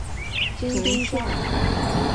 金山东东路宁海州牟平县。